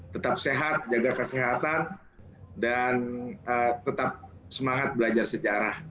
tetap sehat jaga kesehatan dan tetap semangat belajar sejarah